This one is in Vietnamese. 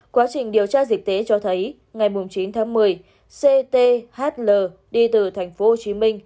quá trình điều tra dịch tễ cho thấy ngày chín tháng một mươi cthl đi từ tp hcm